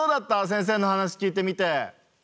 先生の話聞いてみて。